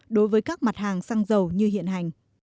đối với các mặt hàng xăng dầu như hiện hành